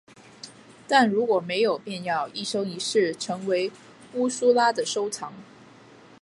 但如果没有便要一生一世成为乌苏拉的收藏。